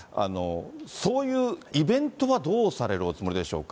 そういうイベントはどうされるおつもりでしょうか。